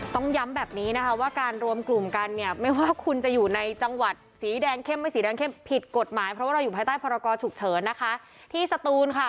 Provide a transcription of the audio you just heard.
ต้องย้ำแบบนี้นะคะว่าการรวมกลุ่มกันเนี่ยไม่ว่าคุณจะอยู่ในจังหวัดสีแดงเข้มไม่สีแดงเข้มผิดกฎหมายเพราะว่าเราอยู่ภายใต้พรกรฉุกเฉินนะคะที่สตูนค่ะ